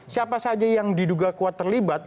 siapa saja yang diduga kuat terlibat